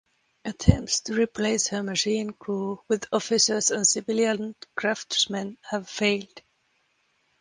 Attempts to replace her machine crew with officers and civilian craftsmen have failed.